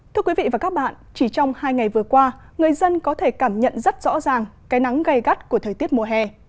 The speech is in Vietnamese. thưa quý vị và các bạn chỉ trong hai ngày vừa qua người dân có thể cảm nhận rất rõ ràng cái nắng gây gắt của thời tiết mùa hè